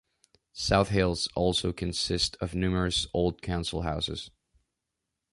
South Hills also consist of numerous old council houses.